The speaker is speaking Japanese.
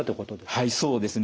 はいそうですね。